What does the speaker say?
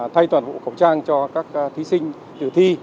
thay toàn hộ khẩu trang cho các thí sinh từ thi